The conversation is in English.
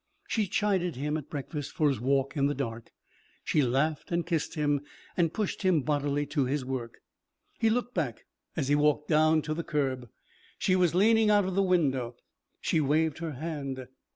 She chided him at breakfast for his walk in the dark. She laughed and kissed him and pushed him bodily to his work. He looked back as he walked down to the curb. She was leaning out of the window. She waved her hand.